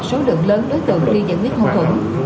số lượng lớn đối tượng đi giải quyết hậu thủ